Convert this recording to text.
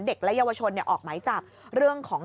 เด็กและเยาวชนออกหมายจับเรื่องของ